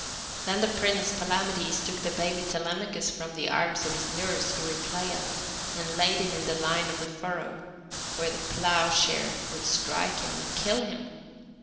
Then the prince Palamedes took the baby Telemachus from the arms of his nurse, Eurycleia, and laid him in the line of the furrow, where the ploughshare would strike him and kill him.